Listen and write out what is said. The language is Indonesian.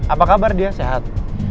apa kabar dia sehat